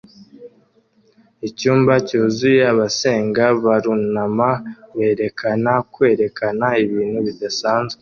Icyumba cyuzuye abasenga barunama berekana kwerekana ibintu bidasanzwe